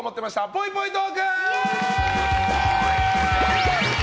ぽいぽいトーク！